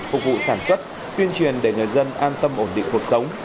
phục vụ sản xuất tuyên truyền để người dân an tâm ổn định cuộc sống